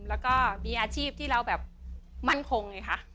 แล้วก็มีอาชีพที่เรามั่นคงเลยค่ะ